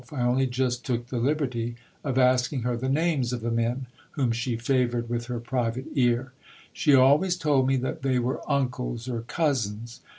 I only just took the liberty of asking her the names of the men whom she favoured with her private ear. She always told me that they were uncles or cousins.